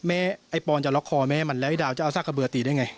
ไอ้ปอนจะล็อกคอแม่มันแล้วไอ้ดาวจะเอาซากกระเบือตีได้ไง